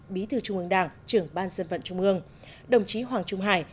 bí thư trung ương đảng trưởng ban dân vận trung ương đồng chí hoàng trung hải